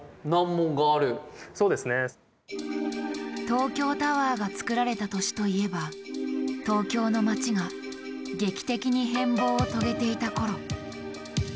東京タワーが造られた年といえば東京の街が劇的に変貌を遂げていた頃。